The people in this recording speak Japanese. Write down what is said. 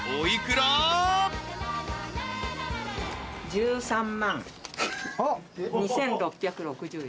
１３万２，６６０円。